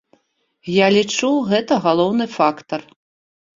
Я лічу, гэта галоўны фактар.